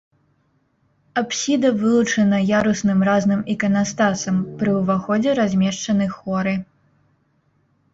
Апсіда вылучана ярусным разным іканастасам, пры ўваходзе размешчаны хоры.